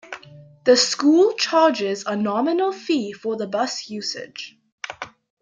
The school charges a nominal fee for the bus usage.